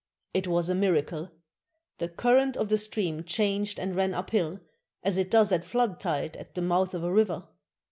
It was a miracle! The current of the stream changed and ran uphill, as it does at flood tide at the mouth of a river.